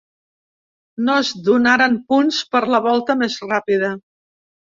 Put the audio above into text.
No es donaren punts per la volta més ràpida.